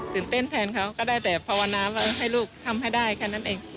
เต้นแทนเขาก็ได้แต่ภาวนาว่าให้ลูกทำให้ได้แค่นั้นเอง